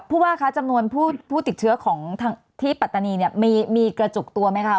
พูดว่าจำนวนผู้ติดเชื้อที่ปัตตานีมีกระจกตัวไหมคะ